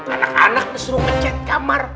anak anak disuruh nge chat kamar